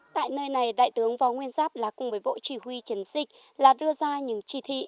tại nơi này đại tướng võ nguyên giáp là cùng với bộ chỉ huy chiến dịch là đưa ra những chỉ thị